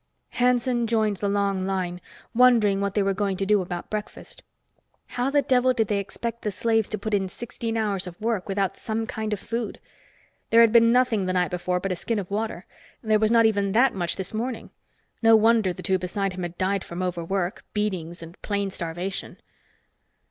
Hanson joined the long line, wondering what they were going to do about breakfast. How the devil did they expect the slaves to put in sixteen hours of work without some kind of food? There had been nothing the night before but a skin of water. There was not even that much this morning. No wonder the two beside him had died from overwork, beatings and plain starvation.